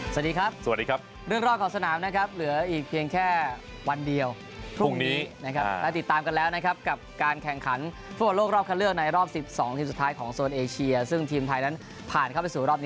สวัสดีครับสวัสดีครับเรื่องรอของสนามนะครับ